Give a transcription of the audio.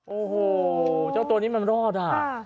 โอ้โหเจ้าตัวนี้มันรอดอ่ะ